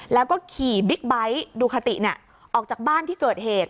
แล้วก็ขี่บิ๊กไบท์ดูคาติออกจากบ้านที่เกิดเหตุ